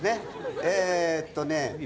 えっとね